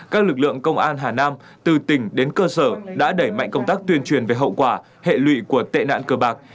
các lực lượng công an hà nam từ tỉnh đến cơ sở đã đẩy mạnh công tác tuyên truyền về hậu quả hệ lụy của tệ nạn cơ bạc